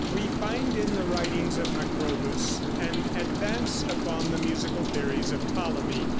We find in the writings of Macrobus an advance upon the musical theories of Ptolemy.